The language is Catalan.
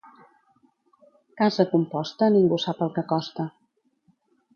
Casa composta ningú sap el que costa.